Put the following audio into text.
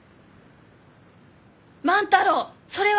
万太郎それは！